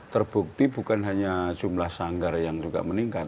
terbukti bukan hanya jumlah sanggar yang juga meningkat